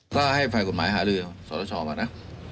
ก็ให้ฝ่ายกฎหมายหาลือสรชอมานะ